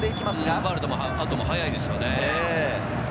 ファウルの後も速いですよね。